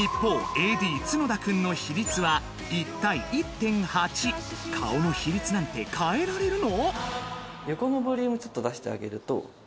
ＡＤ角田くんの比率は１対１．８顔の比率なんて変えられるの？